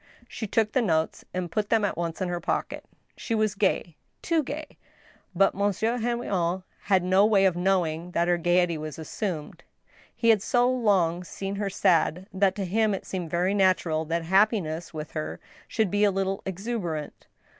She took the notes and put them at once in her pocket. She was gay — too gay. But Monsieur Henrion had no way of knowing that her gayety was assumed. He had so long seen her sad, that to him it seemed very natural that happiness with her should be a little ex uberant.